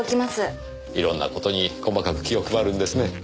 いろんな事に細かく気を配るんですね。